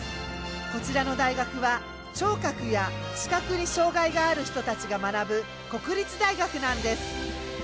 こちらの大学は聴覚や視覚に障害がある人たちが学ぶ国立大学なんです。